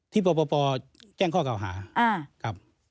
ที่พอแก้งข้อเก่าหา